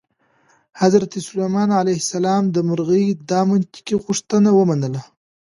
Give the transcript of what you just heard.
حضرت سلیمان علیه السلام د مرغۍ دا منطقي غوښتنه ومنله.